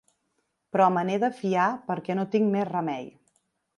Però me n’he de fiar perquè no tinc més remei!